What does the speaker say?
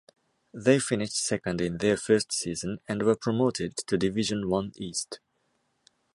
They finished second in their first season and were promoted to Division One East.